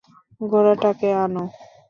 ঘোড়া টাকে আনো!